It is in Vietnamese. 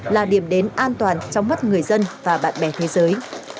là điểm đến an toàn trong mất người dân và bạn bè thế giới